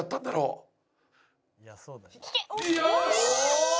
よし！